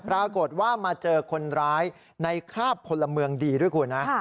ปรากฏว่ามาเจอคนร้ายในคราบพลเมืองดีด้วยคุณนะ